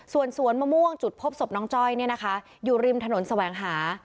ส่วนสวนมะม่วงจุดพบศพน้องจ้อยอยู่ริมถนนแสวงหา